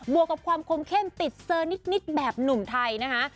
วกกับความคมเข้มติดเซอร์นิดแบบหนุ่มไทยนะคะ